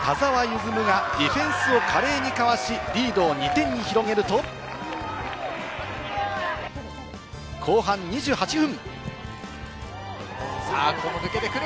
積がディフェンスを華麗にかわし、リードを２点に広げると、後半２８分。